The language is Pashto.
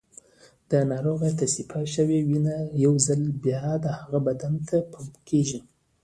د ناروغ تصفیه شوې وینه یو ځل بیا د هغه بدن ته پمپ کېږي.